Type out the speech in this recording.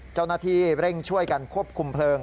เจ้าหน้าที่เร่งช่วยกันควบคุมเพลิง